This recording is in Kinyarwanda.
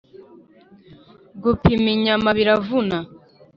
gupima inyama biravuna